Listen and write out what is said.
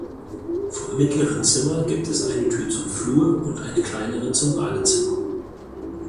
Vom mittleren Zimmer gibt es eine Tür zum Flur und eine kleinere zum Badezimmer.